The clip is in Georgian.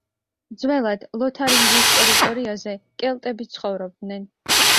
ძველად ლოთარინგიის ტერიტორიაზე კელტები ცხოვრობდნენ.